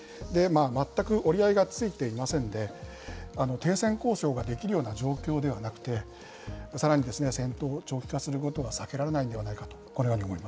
全く折り合いがついていませんで、停戦交渉ができるような状況ではなくて、さらに戦闘を長期化することは避けられないんではないかと思い